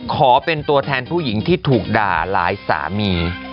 ขอเป็นตัวแทนผู้หญิงที่ถูกด่าหลายสามี